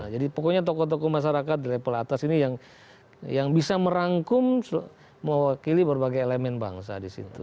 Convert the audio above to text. jadi pokoknya tokoh tokoh masyarakat dari pelatas ini yang bisa merangkum mewakili berbagai elemen bangsa disitu